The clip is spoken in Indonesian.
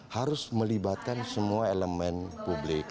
harus melibatkan semua elemen publik